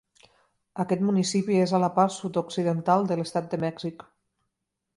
Aquest municipi és a la part sud-occidental de l'estat de Mèxic.